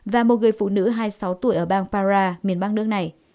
và một người phụ nữ hai mươi sáu tuổi ở bang pará miền bang nước này